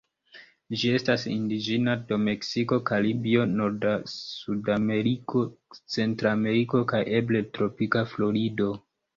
Ĝi estas indiĝena de Meksiko, Karibio, norda Sudameriko, Centrameriko kaj eble tropika Florido.